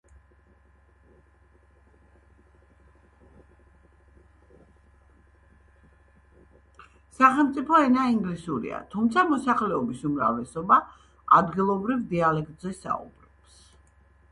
სახელმწიფო ენა ინგლისურია, თუმცა მოსახლეობის უმრავლესობა ადგილობრივ დიალექტზე საუბრობს.